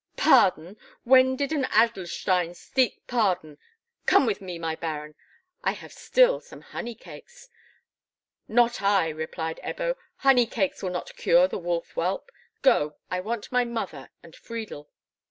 Pardon! When did an Adlerstein seek pardon? Come with me, my Baron; I have still some honey cakes." "Not I," replied Ebbo; "honey cakes will not cure the wolf whelp. Go: I want my mother and Friedel."